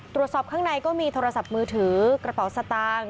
ตรวจสอบข้างในก็มีโทรศัพท์มือถือกระเป๋าสตางค์